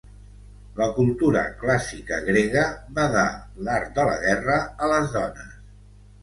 La cultura clàssica grega vedà l'art de la guerra a les dones.